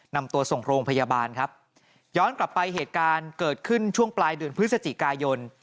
นำตัวส่งโรงพยาบาลครับย้อนกลับไปเหตุการณ์เกิดขึ้นช่วงปลายเดือนพฤศจิกายน